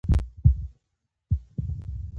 له بل پلوه دې شکر ایستونکی وي.